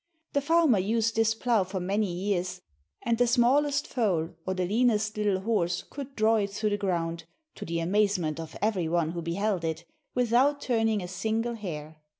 The farmer used this plough for many years, and the smallest foal or the leanest little horse could draw it through the ground, to the amazement of every one who beheld it, without turning a single hair.